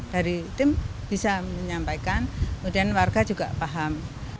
dari tim bisa menyampaikan kemudian warga juga paham